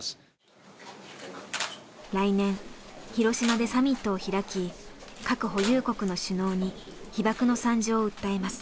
来年広島でサミットを開き核保有国の首脳に被爆の惨状を訴えます。